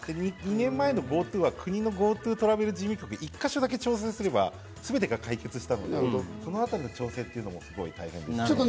２年前のＧｏＴｏは国のＧｏＴｏトラベル事務局の１か所だけで調整すればすべてが解決したんですが、そのあたりの調整が大変だと。